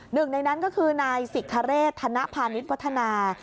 หนึ่งในนั้นก็คือนายสิทธเรศธนพาณิชย์วัฒนา